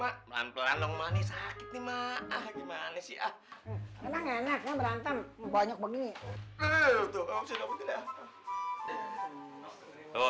hai ah pelan pelan long money sakit nih mah gimana sih enak enak berantem banyak begini